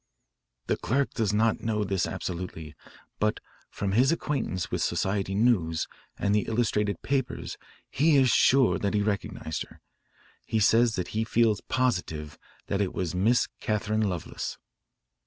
"The clerk does not know this absolutely, but from his acquaintance with society news and the illustrated papers he is sure that he recognised her. He says that he feels positive that it was Miss Catharine Lovelace."